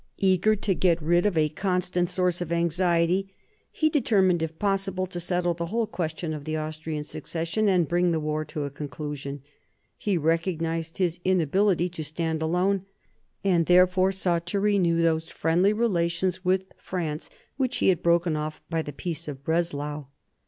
Eager to get rid of a constant source of anxiety, he determined if possible to settle the whole question of the Austrian succession and bring the war to a conclusion. He recognised his inability to stand alone, and therefore sought to renew those friendly relations with France which he had broken off by the Peace of Breslau.